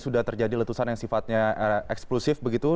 sudah terjadi letusan yang sifatnya eksklusif begitu